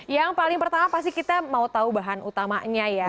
yang paling pertama pasti kita mau tahu bahan utamanya ya